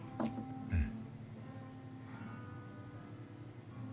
うん。